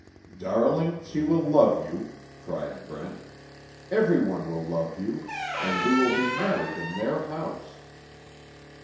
"Darling, she will love you!" cried Brent, "Everyone will love you! And we will be married in their house."